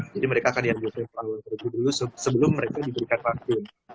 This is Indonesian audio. jadi mereka akan dianggap yang tersebut dulu sebelum mereka diberikan vakum